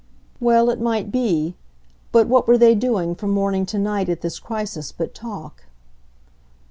Well, it might be; but what were they doing, from morning to night, at this crisis, but talk?